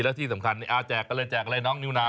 แล้วที่สำคัญแจกกันเลยแจกอะไรน้องนิวนา